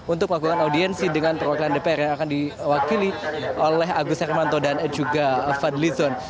untuk melakukan audiensi dengan perwakilan dpr yang akan diwakili oleh agus hermanto dan juga fadlizon